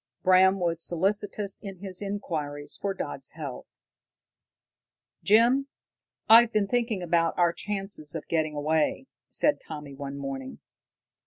Bram was solicitous in his inquiries for Dodd's health. "Jim, I've been thinking about our chances of getting away," said Tommy one morning.